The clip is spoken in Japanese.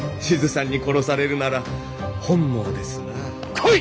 来い！